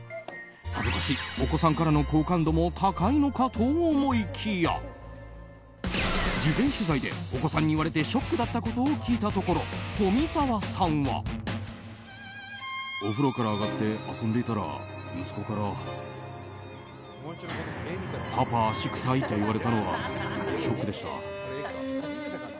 さぞかし、お子さんからの好感度も高いのかと思いきや事前取材でお子さんに言われてショックだったことを聞いたところ、富澤さんは。お風呂から上がって遊んでいたら、息子からパパ、足臭いと言われたのがショックでした。